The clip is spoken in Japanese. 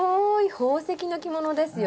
宝石の着物ですよ。